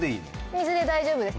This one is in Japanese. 水で大丈夫です。